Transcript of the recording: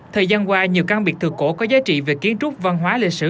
thời gian qua nhiều căn biệt thự cổ có giá trị về kiến trúc văn hóa lịch sử